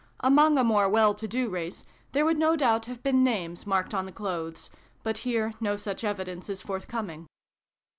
Among a more well to do race, there would no doubt have been names marked on the clothes; but here no such evidence is forthcoming.